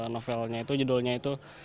novelnya itu judulnya itu